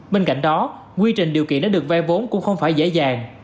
bên cạnh đó quy trình điều kiện đã được vay vốn cũng không phải dễ dàng